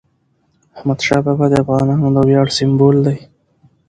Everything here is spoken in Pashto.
احمدشاه بابا د افغانانو د ویاړ سمبول دی.